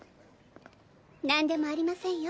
何でもありませんよ